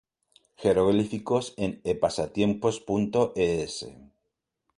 Jeroglíficos en epasatiempos.es